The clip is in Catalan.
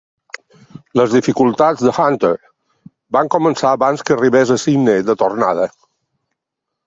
Les dificultats de Hunter van començar abans que arribés a Sydney de tornada.